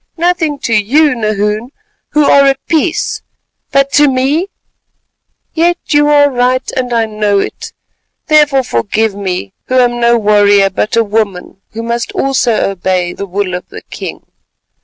"Nothing to you, Nahoon, who are at peace, but to me? Yet, you are right, and I know it, therefore forgive me, who am no warrior, but a woman who must also obey—the will of the king."